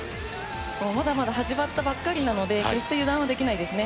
まだまだ始まったばかりなので決して油断はできないですね。